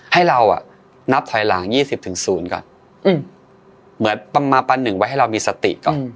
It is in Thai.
ให้เรานับถอยหลัง๒๐ก่อนเหมือนประมาณปันหนึ่งไว้ให้เรามีสติก่อน